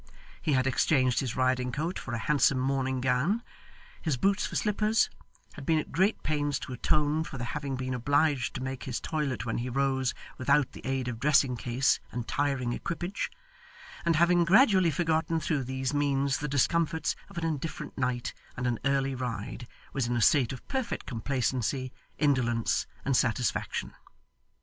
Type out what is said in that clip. He had exchanged his riding coat for a handsome morning gown, his boots for slippers; had been at great pains to atone for the having been obliged to make his toilet when he rose without the aid of dressing case and tiring equipage; and, having gradually forgotten through these means the discomforts of an indifferent night and an early ride, was in a state of perfect complacency, indolence, and satisfaction.